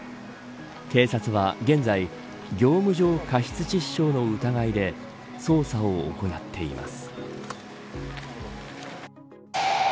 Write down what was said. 警察は現在業務上過失致死傷の疑いで捜査を行っています。